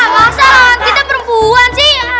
masa lho kita perempuan sih